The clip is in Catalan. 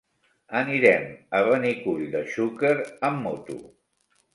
Anirem a Benicull de Xúquer amb moto.